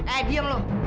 eh diam lu